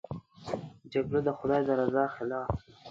جګړه د خدای د رضا خلاف ده